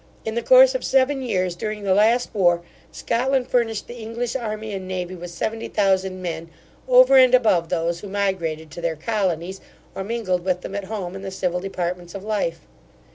In the course of seven years, during the last war, Scotland furnished the English army and navy with seventy thousand men, over and above those who migrated to their colonies, or mingled with them at home in the civil departments of life.